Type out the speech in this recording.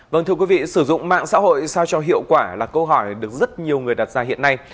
vâng thưa quý vị sử dụng mạng xã hội sao cho hiệu quả là câu hỏi được rất nhiều người đặt ra hiện nay